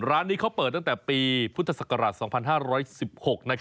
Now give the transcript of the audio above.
ร้านนี้เขาเปิดตั้งแต่ปีพุทธศักราช๒๕๑๖